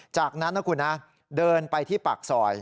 จากนั้นนะคุณนะเดินไปที่ปากซอย